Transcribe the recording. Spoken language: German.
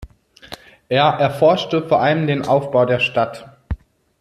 Er erforschte vor allem den Aufbau der Stadt.